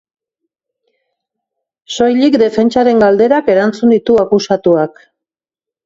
Soilik defentsaren galderak erantzun ditu akusatuak.